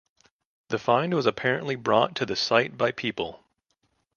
The find was apparently brought to the site by people.